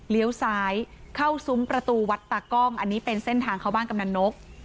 ซ้ายเข้าซุ้มประตูวัดตากล้องอันนี้เป็นเส้นทางเข้าบ้านกำนันนก